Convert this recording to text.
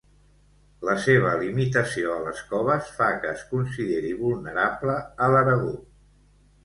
La seva limitació a les coves fa que es consideri vulnerable a l'Aragó.